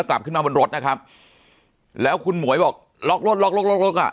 กลับขึ้นมาบนรถนะครับแล้วคุณหม่วยบอกล็อกรถล็อกรถ